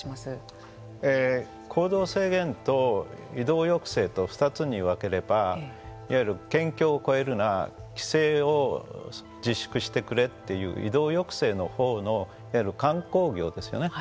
行動制限と移動抑制と２つに分ければいわゆる県境を越えるな帰省を自粛してくれという移動抑制のほうのいわゆる観光業ですよね。